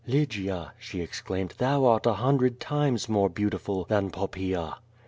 . "Lygia,'' she exclaimed, "thou art a hundred times more beautiful than Poppaea!"